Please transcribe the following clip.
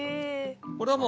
これはもう。